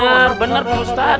ya allah pak ustadz